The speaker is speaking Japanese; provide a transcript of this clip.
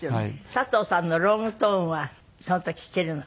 佐藤さんのロングトーンはその時聴けるの？